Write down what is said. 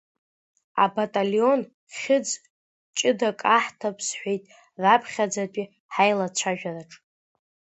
Абаталион хьыӡ ҷыдак аҳҭап, — сҳәеит, раԥхьаӡатәи ҳаилацәажәараҿы.